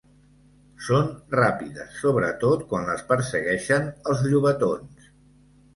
Són ràpides, sobretot quan les persegueixen els llobatons.